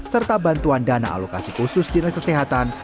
serta bantuan dana alokasi khusus dinas kesehatan